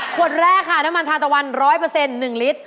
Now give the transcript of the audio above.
ขวดแรกค่ะน้ำมันทาตะวัน๑๐๐๑ลิตร